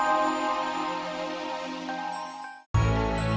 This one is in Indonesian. lama masuknya gejeknya